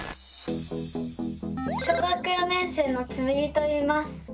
小学４年生のつむぎといいます。